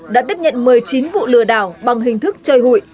đã tiếp nhận một mươi chín vụ lừa đảo bằng hình thức chơi hụi